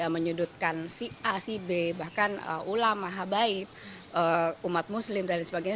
menyudutkan si a si b bahkan ulama habaib umat muslim dan sebagainya